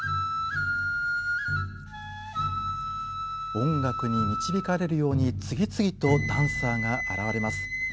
音楽に導かれるように次々とダンサーが現れます。